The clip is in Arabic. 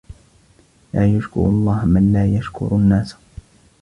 لَا يَشْكُرُ اللَّهَ مَنْ لَا يَشْكُرُ النَّاسَ